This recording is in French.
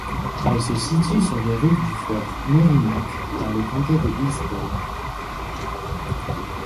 Elle se situe sur les rives du fleuve Merrimack, dans le comté de Hillsborough.